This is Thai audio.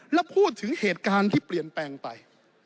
แล้วพูดถึงเหตุการณ์ที่เปลี่ยนแปลงไป